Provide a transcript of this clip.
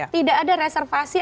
tidak ada reservasi